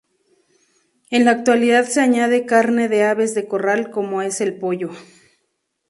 En la actualidad se añade carne de aves de corral como es el pollo.